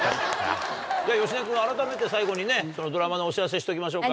じゃあ芳根君あらためて最後にねそのドラマのお知らせしときましょうか。